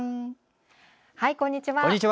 こんにちは。